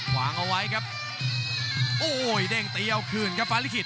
ขวางเอาไว้ครับโอ้ยเด้งเตียวคืนครับภารกิจ